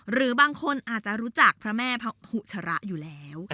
หรือบางคนอาจจะรู้จักพระแม่พระหุชระอยู่แล้ว